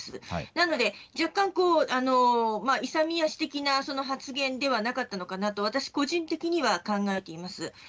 なので若干、勇み足的な発言ではなかったのではないかと個人的には考えています。